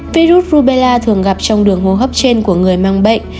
virus rubella thường gặp trong đường hô hấp trên của người mang bệnh